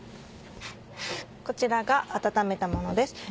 こちらが温めたものです。